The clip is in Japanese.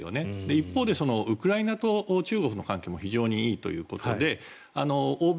一方でウクライナと中国の関係も非常にいいということで欧米